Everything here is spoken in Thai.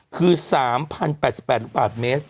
คือ๓๐๘๘บาทเมตร